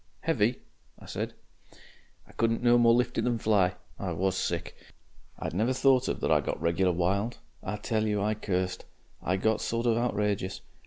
"Heavy?" I said. "I couldn't no more lift it than fly. I WAS sick. I'd never thought of that I got regular wild I tell you, I cursed. I got sort of outrageous.